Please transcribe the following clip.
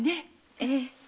ええ。